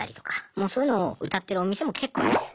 もうそういうのをうたってるお店も結構あります。